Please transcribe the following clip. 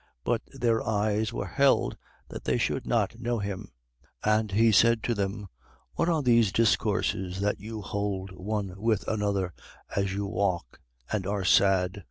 24:16. But their eyes were held, that they should not know him. 24:17. And he said to them: What are these discourses that you hold one with another as you walk and are sad?